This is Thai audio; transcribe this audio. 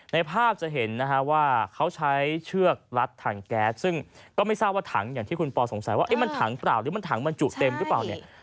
ในภาพจะเห็นนะฮะว่าเขาใช้เชือกรัดถังแก๊สซึ่งก็ไม่ทราบว่าถังอย่างที่คุณปอสงสัยว่ามันถังเปล่าหรือมันถังบรรจุเต็มหรือเปล่าเนี่ย